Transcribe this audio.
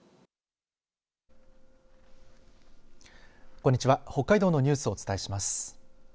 こんにちは、北海道のニュースをお伝えします。